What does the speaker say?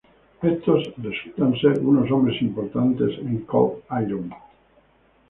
Estos resultan ser unos hombres importantes en Cold Iron...